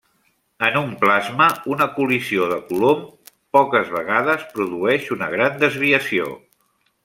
En un plasma, una col·lisió de Coulomb poques vegades produeix una gran desviació.